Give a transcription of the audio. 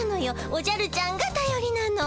おじゃるちゃんがたよりなの。